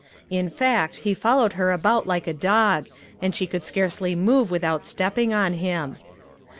In fact, he followed her about like a dog, and she could scarcely move without stepping on him.